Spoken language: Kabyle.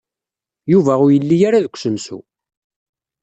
Yuba ur yelli ara deg usensu.